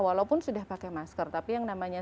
walaupun sudah pakai masker tapi yang namanya